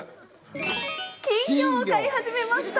「金魚を飼い始めました！」。